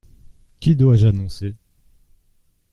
Qui dois-je annoncer ?